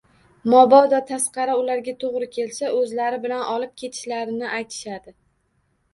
Mabodo tasqara ularga to`g`ri kelsa, o`zlari bilan olib ketishlarini aytishadi